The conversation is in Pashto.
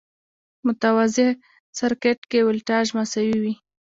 متوازي سرکټ کې ولټاژ مساوي وي.